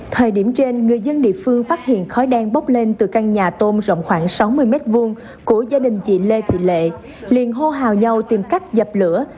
thời điểm trên người dân địa phương phát hiện khói đen bốc lên từ căn nhà tôm rộng khoảng sáu mươi m hai của gia đình chị lê thị lệ liên hô hào nhau tìm cách dập lửa